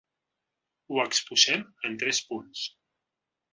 Ho exposem en tres punts.